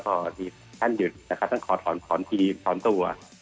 พอที่ขั้นหยุดต้องขอถอนทีมถอนตัว